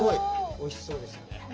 おいしそうですよね。